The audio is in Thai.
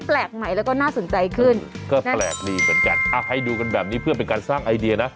แปลกใหม่แล้วก็น่าสนใจขึ้นก็แปลกดีเหมือนกันอ่ะให้ดูกันแบบนี้เพื่อเป็นการสร้างไอเดียนะ